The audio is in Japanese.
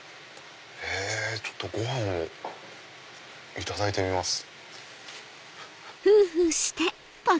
ちょっとご飯をいただいてみます。